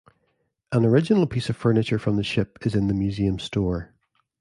An original piece of furniture from the ship is in the museum store.